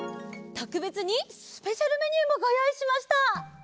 とくべつにスペシャルメニューもごよういしました！